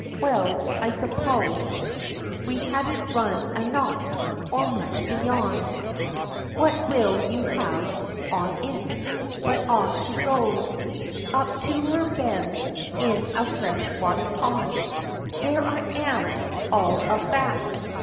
Well I suppose We hadn't run a knot or much beyond (What will you have on it?) but off she goes, Up to her bends in a fresh water pond! There I am! all a back!